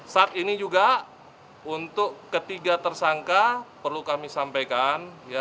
saat ini juga untuk ketiga tersangka perlu kami sampaikan